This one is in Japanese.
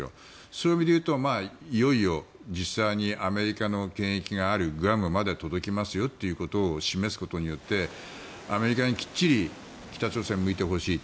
そういう意味で言うといよいよアメリカの権益があるグアムがあるところまで飛ばすことを示すことでアメリカにきっちり北朝鮮を向いてほしい。